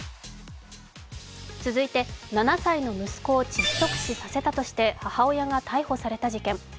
続いて７歳の息子を窒息死させたとして母親が逮捕された事件。